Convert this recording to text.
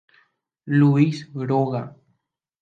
Luis róga.